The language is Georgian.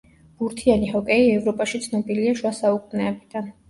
ბურთიანი ჰოკეი ევროპაში ცნობილია შუა საუკუნეებიდან.